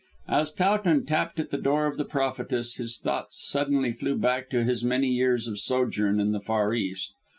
As Towton tapped at the door of the prophetess his thoughts suddenly flew back to his many years of sojourn in the Far East.